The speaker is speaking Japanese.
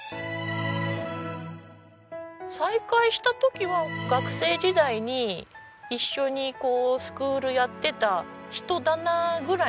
再会した時は学生時代に一緒にスクールやってた人だなぐらいのホントに認識で。